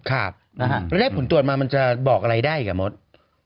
และได้ผลตรวจมามันจะบอกอะไรได้หรือเปล่า